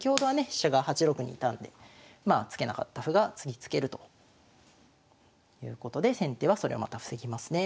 飛車が８六に居たんで突けなかった歩が次突けるということで先手はそれをまた防ぎますね。